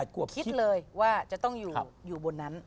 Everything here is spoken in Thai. คิดเลยว่าจะต้องอยู่บนนั้น